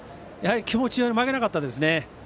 やはり気持ちは負けなかったですね。